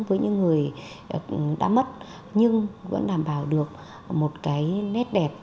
với những người đã mất nhưng vẫn đảm bảo được một cái nét đẹp